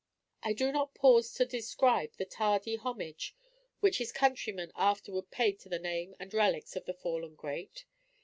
I do not pause to describe the tardy homage which his countrymen afterward paid to the name and relics of the fallen great.